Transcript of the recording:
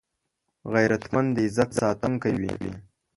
غیرتمند د عزت ساتونکی وي